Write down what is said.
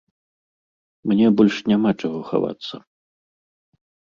Мне больш няма чаго хавацца.